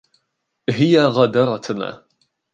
هي غادرتنا.